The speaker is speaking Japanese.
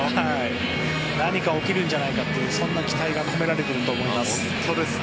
何か起きるんじゃないかというそんな期待が込められていると思います。